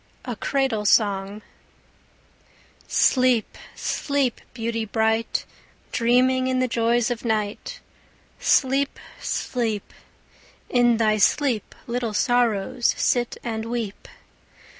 A CRADLE SONG Sleep, sleep, beauty bright, Dreaming in the joys of night; Sleep, sleep; in thy sleep Little sorrows sit and weep.